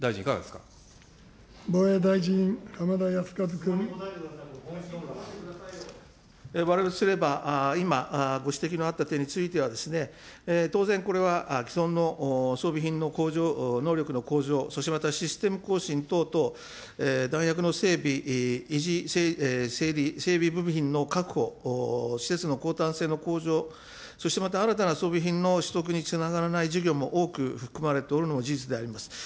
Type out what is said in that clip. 防衛大臣、われわれとすれば、今、ご指摘のあった点についてはですね、当然これは既存の装備品の向上、能力の向上、そしてまたシステム更新等々、弾薬の整備、維持、整備、整備部品の確保、施設のこうたん性の向上、そしてまた、新たな装備品の取得につながらない事業も多く含まれておるのは、事実であります。